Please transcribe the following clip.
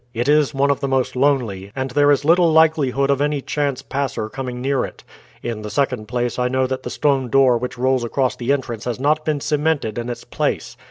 "It is one of the most lonely, and there is little likelihood of any chance passer coming near it. In the second place, I know that the stone door which rolls across the entrance has not been cemented in its place.